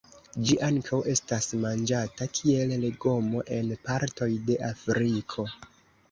Ĝi ankaŭ estas manĝata kiel legomo en partoj de Afriko.